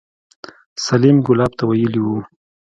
سليم ګلاب ته ويلي وو.